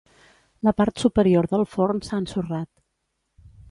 La part superior del forn s'ha ensorrat.